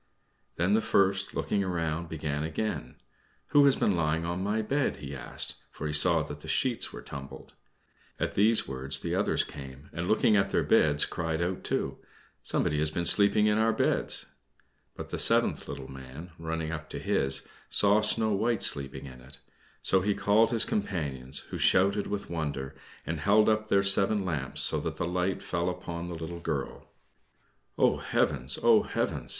Then the first, looking round, began again, "Who has been lying on my bed?" he asked, for he saw that the sheets were tumbled. At these words the others came, and looking at their beds cried out too, "Some one has been lying in our beds!" But the seventh little man, running up to his, saw Snow White sleeping in it; so he called his companions, who shouted with wonder and held up their seven lamps, so that the light fell upon the little girl. "Oh, heavens! oh, heavens!"